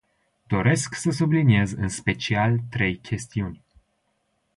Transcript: Doresc să subliniez în special trei chestiuni.